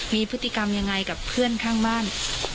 มีพฤติกรรมยังไงกับเพื่อนข้างบ้าน